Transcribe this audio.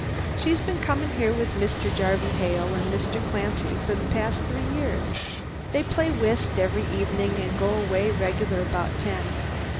She's been coming here with Mr. Jarvey Hale and Mr. Clancy for the last three years. They play whist every evening and go away regular about ten.